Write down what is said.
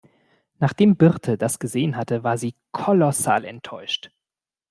Nachdem Birte das gesehen hatte, war sie kolossal enttäuscht.